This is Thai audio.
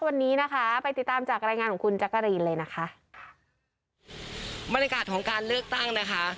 วันนี้นะคะไปติดตามจากรายงานของคุณจักรีนเลยนะคะบรรยากาศของการเลือกตั้งนะคะ